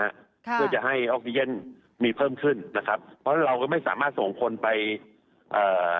ค่ะเพื่อจะให้ออกซิเจนมีเพิ่มขึ้นนะครับเพราะเราก็ไม่สามารถส่งคนไปเอ่อ